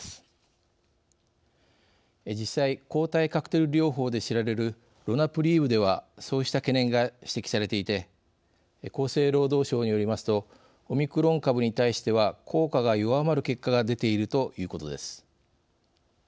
実際抗体カクテル療法で知られるロナプリーブではそうした懸念が指摘されていて厚生労働省によりますとオミクロン株に対しては効果が弱まる結果が出ているということです。